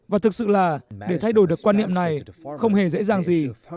và thực sự là để thay đổi được quan niệm này không hề dễ dàng gì